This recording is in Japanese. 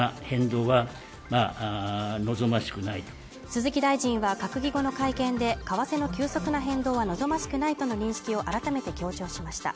鈴木大臣は閣議後の会見で為替の急速な変動は望ましくないとの認識を改めて強調しました